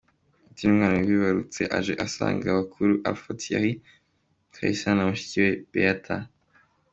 Deen umwana bibarutse aje asanga bakuru Alpha Thierry , Caysan na mushiki we Beata.